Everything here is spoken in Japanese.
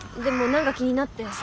でも何か気になって。